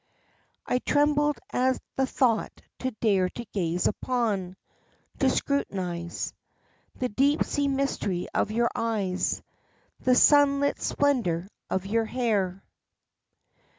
I trembled at the thought to dare to gaze upon, to scrutinize The deep sea mystery of your eyes, the sun lit splendor of your hair.